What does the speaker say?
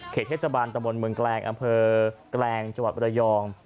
เขตเทศบาลตะมนต์เมืองแกลงอำเภอกแกลงจัวร์ประยอง